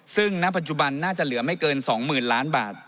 ซึ่งณปัจจุบันน่าจะเหลือไม่เกิน๒๐๐๐ล้านบาท